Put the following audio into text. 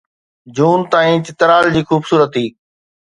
جون تائين چترال جي خوبصورتي